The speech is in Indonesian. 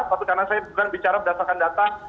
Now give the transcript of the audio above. karena saya bukan bicara berdasarkan data